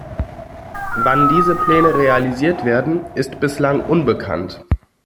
Wann diese Pläne realisiert werden, ist bislang unbekannt.